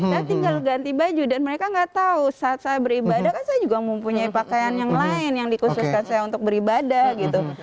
saya tinggal ganti baju dan mereka nggak tahu saat saya beribadah kan saya juga mempunyai pakaian yang lain yang dikhususkan saya untuk beribadah gitu